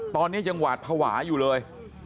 ตอนนี้ยังหวาดภาวะอยู่เลย